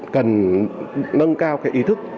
cần nâng cao cái ý thức